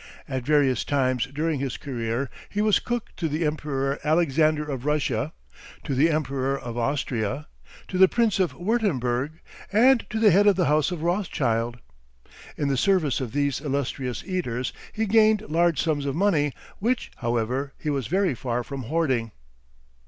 At various times during his career he was cook to the Emperor Alexander of Russia, to the Emperor of Austria, to the Prince of Wurtemberg, and to the head of the house of Rothschild. In the service of these illustrious eaters he gained large sums of money, which, however, he was very far from hoarding.